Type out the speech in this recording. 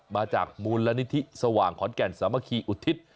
มาจากมูลนิธิสว่างขอนแก่นสามัคคีอุทิศ